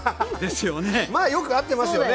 まあよく会ってますよね